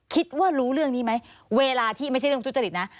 คิดว่ารู้เรื่องนี้ไหมเวลาที่ไม่ใช่เรื่องทุจริตนะ